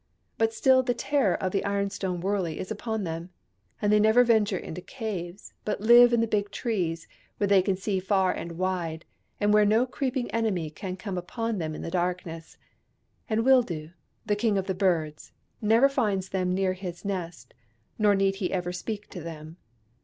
But still the terror of the ironstone wurley is upon them, and they never venture into caves, but live in the big trees, where they can see far and wide, and where no creeping enemy can come upon them in the darkness. And Wildoo, the King of the Birds, never finds them near his nest, nor need he ever speak to them.